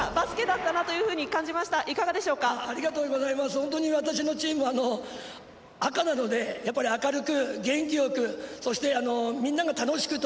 本当に私のチームは赤なので明るく元気よくそして、みんなが楽しくと。